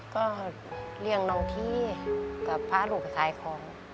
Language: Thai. ก็เลี่ยงน้องทีกับพาลูกไปขายของ